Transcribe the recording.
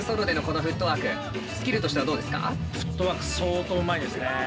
フットワーク相当うまいですね。